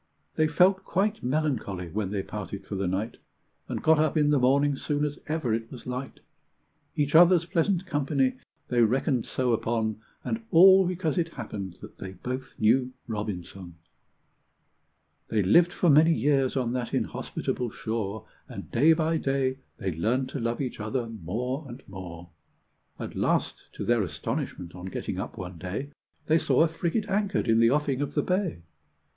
They felt quite melancholy when they parted for the night, And got up in the morning soon as ever it was light; Each other's pleasant company they reckoned so upon, And all because it happened that they both knew Robinson! They lived for many years on that inhospitable shore, And day by day they learned to love each other more and more. At last, to their astonishment, on getting up one day, They saw a frigate anchored in the offing of the bay.